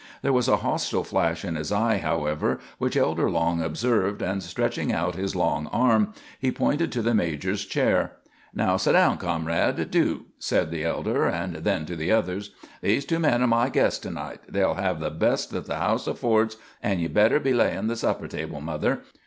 There was a hostile flash in his eye, however, which Elder Long observed, and stretching out his long arm, he pointed to the major's chair. "Now set down, comrade, do," said the elder, and then, to the others: "These two men are my guests to night. They'll have the best that the house affords, an' ye'd better be layin' the supper table, mother.